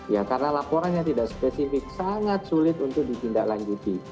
ya karena laporannya tidak spesifik sangat sulit untuk ditindaklanjuti